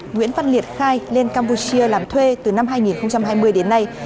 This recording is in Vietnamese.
nguyễn văn liệt khai lên campuchia làm thuê từ năm hai nghìn hai mươi đến nay